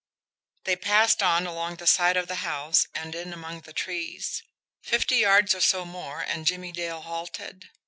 They passed on along the side of the house and in among the trees. Fifty yards or so more, and Jimmie Dale halted.